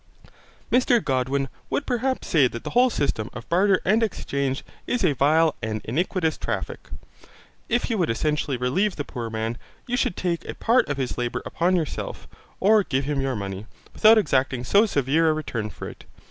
Mr Godwin would perhaps say that the whole system of barter and exchange is a vile and iniquitous traffic. If you would essentially relieve the poor man, you should take a part of his labour upon yourself, or give him your money, without exacting so severe a return for it.